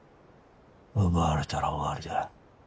奪われたら終わりだ。